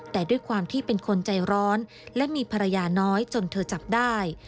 แต่ด้วยความที่เป็นคนใจร้อนและมีภรรยาน้อยจนเธอจับได้